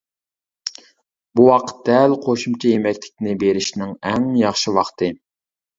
بۇ ۋاقىت دەل، قوشۇمچە يېمەكلىكنى بېرىشنىڭ ئەڭ ياخشى ۋاقتى.